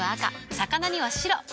魚には白。